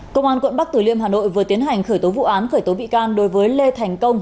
công an quận bắc tử liêm hà nội vừa tiến hành khởi tố vụ án khởi tố bị can đối với lê thành công